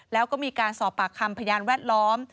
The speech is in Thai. แล้วก็มีการสอบปากคำพยานแวดล้อม